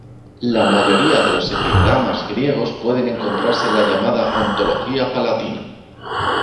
La mayoría de los epigramas griegos puede encontrarse en la llamada "Antología Palatina".